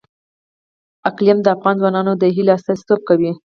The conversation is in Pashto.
اقلیم د افغان ځوانانو د هیلو استازیتوب کوي.